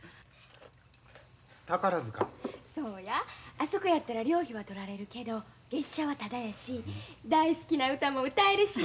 あそこやったら寮費は取られるけど月謝はタダやし大好きな歌も歌えるし。